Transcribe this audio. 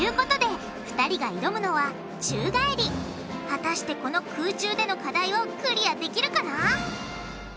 果たしてこの空中での課題をクリアできるかな？